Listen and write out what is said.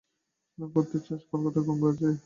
স্নান করতে চাস কলকাতার গঙ্গা আছে।